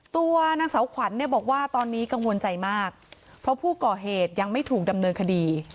ตัวนางสาวขวัญเนี่ยบอกว่าตอนนี้กังวลใจมากเพราะผู้ก่อเหตุยังไม่ถูกดำเนินคดี